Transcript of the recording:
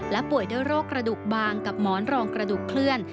ป่วยด้วยโรคกระดูกบางกับหมอนรองกระดูกเคลื่อน